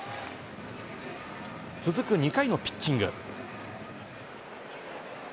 続く２回のピッチング。